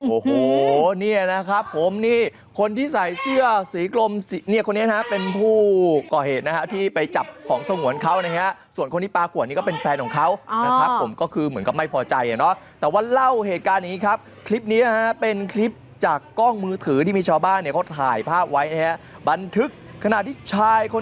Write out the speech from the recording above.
โอ้โหเนี่ยนะครับผมนี่คนที่ใส่เสื้อสีกลมเนี่ยคนนี้นะฮะเป็นผู้ก่อเหตุนะฮะที่ไปจับของสงวนเขานะฮะส่วนคนที่ปรากฏนี่ก็เป็นแฟนของเขานะครับผมก็คือเหมือนกับไม่พอใจอ่ะเนาะแต่ว่าเล่าเหตุการณ์อย่างนี้ครับคลิปนี้ฮะเป็นคลิปจากกล้องมือถือที่มีชาวบ้านเนี่ยเขาถ่ายภาพไว้นะฮะบันทึกขณะที่ชายคน